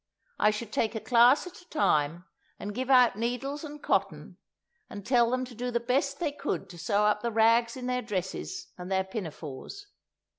I should take a class at a time, and give out needles and cotton, and tell them to do the best they could to sew up the rags in their dresses and their pinafores.